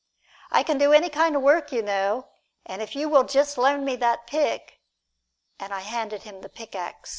"I can do any kind of work, you know, and if you will just loan me that pick" and I handed him the pickax.